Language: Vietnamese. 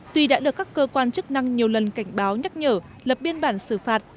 tuy đã được các cơ quan chức năng nhiều lần cảnh báo nhắc nhở lập biên bản xử phạt